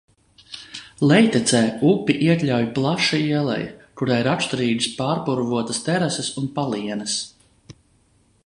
Lejtecē upi iekļauj plaša ieleja, kurai raksturīgas pārpurvotas terases un palienes.